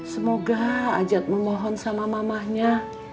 semoga ajat memohon sama mamahnya